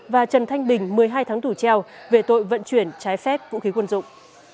và trần thanh bình một mươi hai tháng tù treo về tội vận chuyển trái phép vũ khí quân dụng